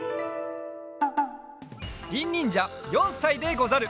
りんにんじゃ４さいでござる。